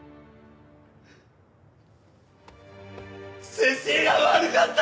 先生が悪かった！